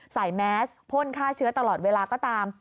แมสพ่นฆ่าเชื้อตลอดเวลาก็ตาม